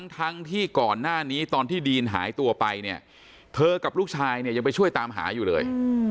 ทั้งที่ก่อนหน้านี้ตอนที่ดีนหายตัวไปเนี่ยเธอกับลูกชายเนี่ยยังไปช่วยตามหาอยู่เลย